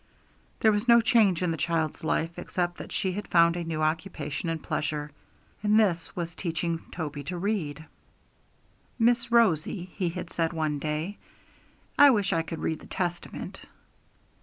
There was no change in the child's life, except that she had found a new occupation and pleasure. And this was teaching Toby to read. 'Miss Rosie,' he had said one day, 'I wish I could read the Testament!'